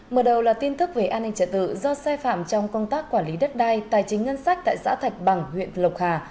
mở đầu là tin tức về an ninh trật tự do sai phạm trong công tác quản lý đất đai tài chính ngân sách tại xã thạch bằng huyện lộc hà